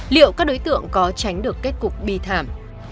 liệu các đối tượng có tránh được kết cục bi thảm